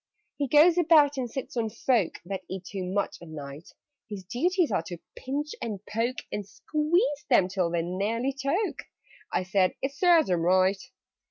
"He goes about and sits on folk That eat too much at night: His duties are to pinch, and poke, And squeeze them till they nearly choke." (I said "It serves them right!")